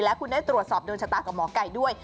และคุณได้ตรวจสอบโดนชะตากับหมอไก่ด้วย